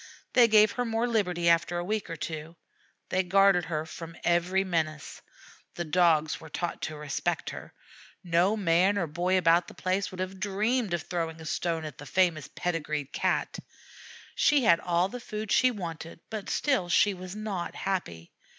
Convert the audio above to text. They gave her more liberty after a week or two. They guarded her from every menace. The Dogs were taught to respect her. No man or boy about the place would have dreamed of throwing a stone at the famous pedigreed Cat. She had all the food she wanted, but still she was not happy.